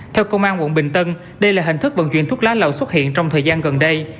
theo công an quận bình tân đây là hình thức vận chuyển thuốc lá lậu xuất hiện trong thời gian gần đây